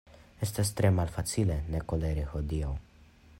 Estas tre malfacile ne koleri hodiaŭ.